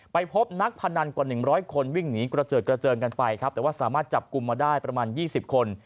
ไปพบนักพนันกว่า๑๐๐คนวิ่งหนีกระเจิดกระเจิงกันไปครับแต่ว่าสามารถจับกลุ่มมาได้ประมาณ๒๐คน